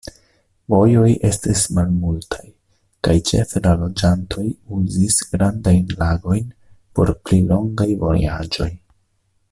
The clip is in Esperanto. Vojoj estis malmultaj kaj ĉefe la loĝantoj uzis grandajn lagojn por pli longaj vojaĝoj.